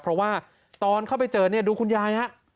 เพราะว่าตอนเข้าไปเจอเนี่ยดูคุณยายฮะ